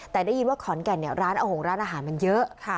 แต่ได้ยินว่าขอนแก่นเนี่ยร้านอาหงษ์ร้านอาหารมันเยอะค่ะ